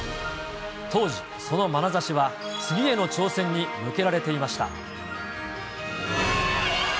当時、そのまなざしは次への挑戦に向けられていました。